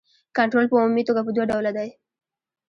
کنټرول په عمومي توګه په دوه ډوله دی.